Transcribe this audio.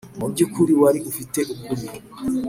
mubyukuri, wari ufite ukuri!